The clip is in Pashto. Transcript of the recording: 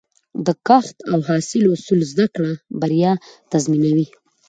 د کښت او حاصل اصول زده کړه، بریا تضمینوي.